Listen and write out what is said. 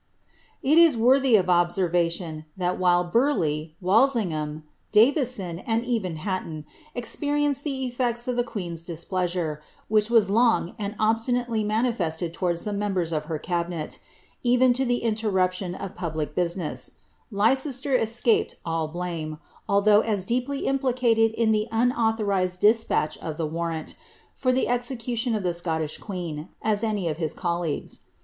It is worthy of observation, that while Burleigh, Walsingham, DaTi 100, and ereii Hatton, experienced the efiects of the queen's displeasure, whkh was long and obstinately manifested towards the members of her etbinet, even to the interruption of public business, Leicester escaped all Uame, although as deeply implicated in the unauthorized despatch of the warrant, for the execution of the Scottish queen, as any of his col leagues.